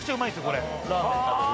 これラーメン